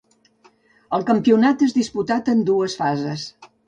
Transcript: El campionat és disputat en dues fases.